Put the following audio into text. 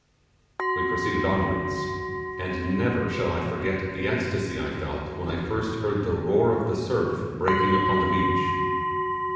We proceeded onwards, and never shall I forget the ecstasy I felt when I first heard the roar of the surf breaking upon the beach.